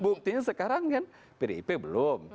buktinya sekarang kan pdip belum